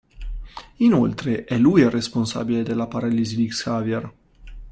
Inoltre, è lui il responsabile della paralisi di Xavier.